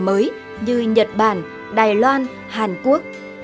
những thị trường mới như nhật bản đài loan hàn quốc